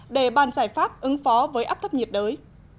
để ban giải pháp ứng phó với áp thấp nhiệt đới